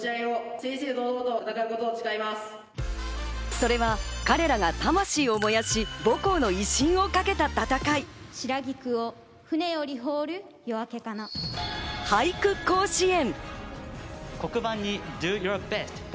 それは彼らが魂を燃やし、母校の威信を俳句甲子園。